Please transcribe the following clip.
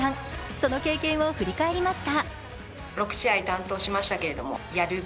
その経験を振り返りました。